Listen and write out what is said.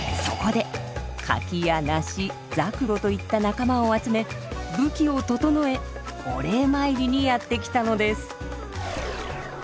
そこで柿や梨柘榴といった仲間を集め武器を調えお礼参りにやって来たのです。